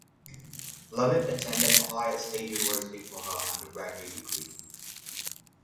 Lovett attended Ohio State University for her undergraduate degree.